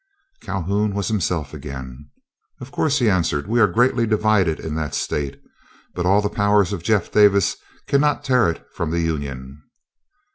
Calhoun was himself again. "Of course," he answered, "we are greatly divided in that state, but all the powers of Jeff Davis cannot tear it from the Union."